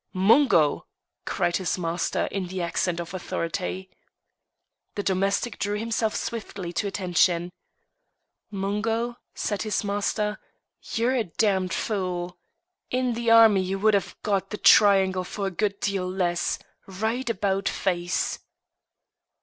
"Mungo!" cried his master in the accent of authority. The domestic drew himself swiftly to attention. "Mungo!" said his master, "you're a damned fool! In the army ye would have got the triangle for a good deal less. Right about face."